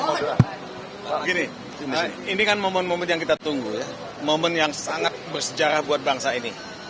begini ini kan momen momen yang kita tunggu ya momen yang sangat bersejarah buat bangsa ini